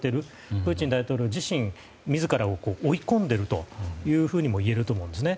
プーチン大統領自身自らを追い込んでいるとも言えると思うんですね。